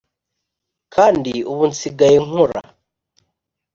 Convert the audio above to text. kandi ubu nsigaye nkora